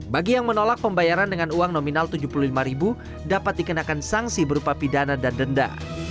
bagi yang menolak pembayaran dengan uang nominal rp tujuh puluh lima dapat dikenakan sanksi berupa pidana dan denda